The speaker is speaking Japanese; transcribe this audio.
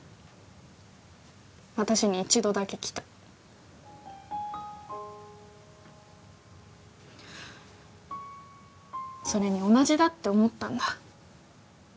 私に一度だけ来たそれに同じだって思ったんだ